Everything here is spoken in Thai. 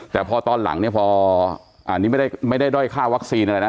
แต่พอตอนหลังเนี่ยพออันนี้ไม่ได้ด้อยค่าวัคซีนอะไรนะ